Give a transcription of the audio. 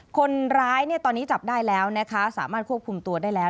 คนร้ายตอนนี้จับได้แล้วนะคะสามารถควบคุมตัวได้แล้ว